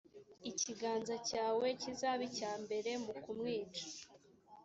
ikiganza cyawe kizabe icya mbere mu kumwica,